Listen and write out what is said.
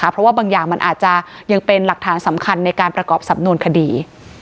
เพราะว่าบางอย่างมันอาจจะยังเป็นหลักฐานสำคัญในการประกอบสำนวนคดี